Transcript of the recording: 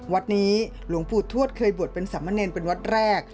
วัดนี้หลวงปู่ทวดเคยบวชเป็นสามเณรเป็นวัดแรก